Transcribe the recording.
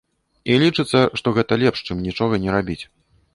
І лічыцца, што гэта лепш, чым нічога не рабіць.